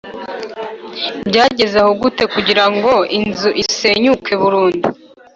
byageze aho gute kugirango inzu isenyuke burundu?